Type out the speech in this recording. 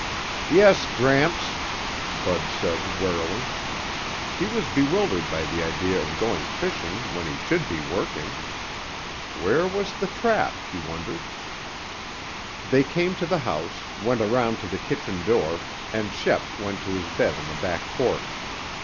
"Yes, Gramps," Bud said warily. He was bewildered by the idea of going fishing when he should be working. Where was the trap, he wondered? They came to the house, went around to the kitchen door, and Shep went to his bed on the back porch.